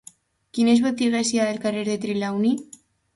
Quines botigues hi ha al carrer de Trelawny?